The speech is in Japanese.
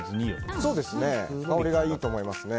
香りがいいと思います。